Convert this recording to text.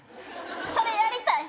それやりたい！